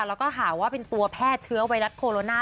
แล้วก็หาว่าเป็นตัวแพร่เชื้อไวรัสโคโรนา